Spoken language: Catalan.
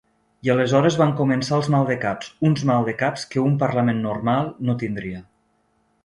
I aleshores van començar els maldecaps, uns maldecaps que un parlament normal no tindria.